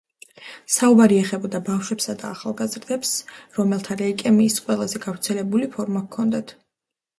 საუბარი ეხებოდა ბავშვებს და ახალგაზრდებს, რომელთაც ლეიკემიის ყველაზე გავრცელებული ფორმა ჰქონდათ.